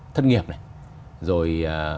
thất nghiệp này rồi